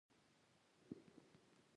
مثلاً پر هغه موضوع یو ځل غور وکړئ